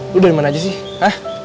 lu dari mana aja sih